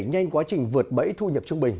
nhanh quá trình vượt bẫy thu nhập trung bình